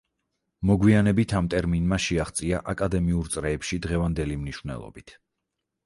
მოგვიანებით ამ ტერმინმა შეაღწია აკადემიურ წრეებში დღევანდელი მნიშვნელობით.